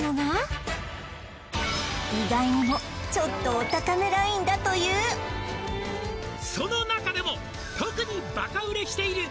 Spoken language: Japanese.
意外にもちょっとお高めラインだという「その中でも特にバカ売れしている」